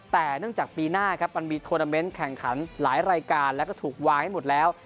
แต่เนื่องจากปีหน้าครับมันมีโทรนาเมนต์แข่งขันหลายรายการแล้วก็ถูกวางให้หมดแล้ว